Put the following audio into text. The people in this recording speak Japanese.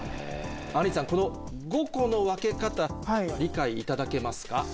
あんりさんこの５個の分け方理解いただけますか？